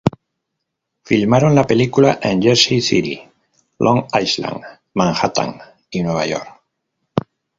Filmaron la película en Jersey City, Long Island, Manhattan y Nueva York.